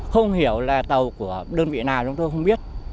không hiểu là tàu của đơn vị nào chúng tôi không biết